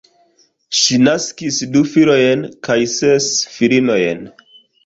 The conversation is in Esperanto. Ŝi naskis du filojn kaj ses filinojn.